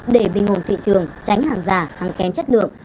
để bình ổn thị trường tránh hàng giả hàng kém chất lượng